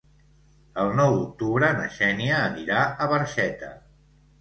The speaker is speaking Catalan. El nou d'octubre na Xènia anirà a Barxeta.